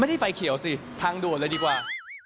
ที่ไฟเขียวสิทางด่วนเลยดีกว่า